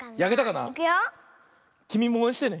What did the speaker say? きみもおうえんしてね。